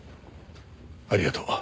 ありがとう。